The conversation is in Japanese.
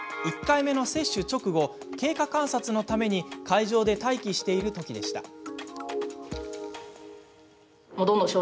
１回目の接種直後経過観察のために会場で待機しているときでした。